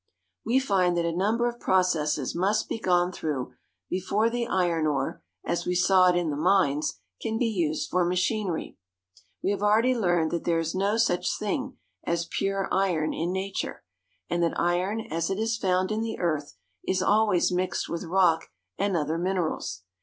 We find that a number of processes must be gone through before the iron ore, as we saw it in the mines, can be used for machinery. We have already learned that there is no such thing as pure iron in nature ; and that iron as it is found in the earth is always mixed with rock and other minerals.